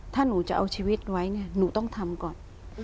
ถ้าหนูจะเอาชีวิตไว้เนี่ยหนูต้องทำก่อน